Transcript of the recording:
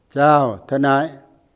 chào thân ái